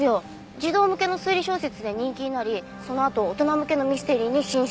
児童向けの推理小説で人気になりそのあと大人向けのミステリーに進出。